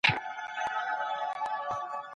ډګر ته وځئ او له نږدې حقایق وګورئ.